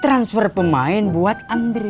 transfer pemain buat andre